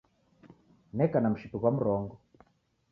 Neka na mshipi ghwa mrongo